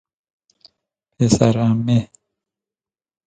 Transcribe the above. یسر عمه